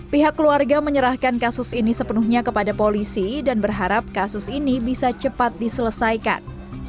pihak keluarga menyerahkan kasus ini sepenuhnya kepada polisi dan berharap kasus ini bisa cepat diselesaikan